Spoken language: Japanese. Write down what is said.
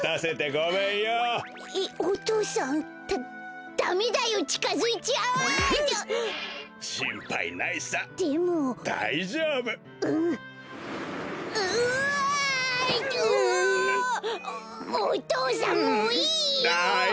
お父さんもういいよ！